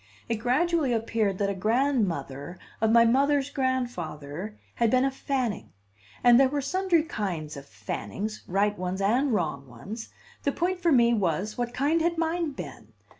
It gradually appeared that a grandmother of my mother's grandfather had been a Fanning, and there were sundry kinds of Fannings, right ones and wrong ones; the point for me was, what kind had mine been?